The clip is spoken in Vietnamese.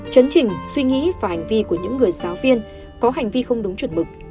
chấn trình suy nghĩ và hành vi của những người giáo viên có hành vi không đúng chuẩn mực